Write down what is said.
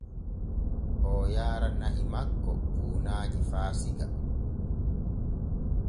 Oo yaara na’i makko buunaaji faa Siga.